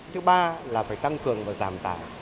thứ ba là phải tăng cường và giảm tải